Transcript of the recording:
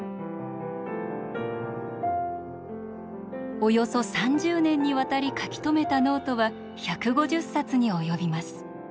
およそ３０年にわたり書き留めたノートは１５０冊に及びます。